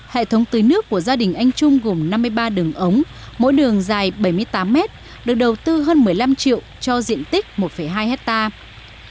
hệ thống tưới nước của gia đình anh trung gồm năm mươi ba đường ống mỗi đường dài bảy mươi tám mét được đầu tư hơn một mươi năm triệu cho diện tích một hai hectare